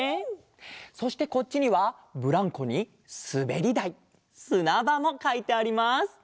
そしてこっちにはブランコにすべりだいすなばもかいてあります。